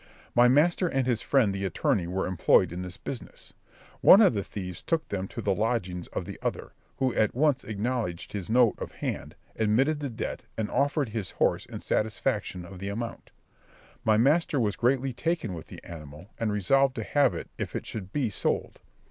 My master and his friend the attorney were employed in this business. One of the thieves took them to the lodgings of the other, who at once acknowledged his note of hand, admitted the debt, and offered his horse in satisfaction of the amount. My master was greatly taken with the animal, and resolved to have it if it should be sold.